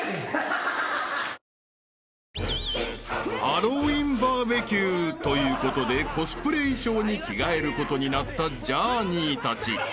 ［ハロウィンＢＢＱということでコスプレ衣装に着替えることになったジャーニーたち］